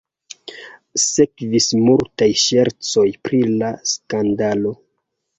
Sekvis multaj ŝercoj pri la skandalo.